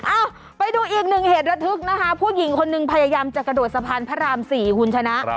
เอ้าไปดูอีกหนึ่งเหตุระทึกนะคะผู้หญิงคนหนึ่งพยายามจะกระโดดสะพานพระราม๔คุณชนะ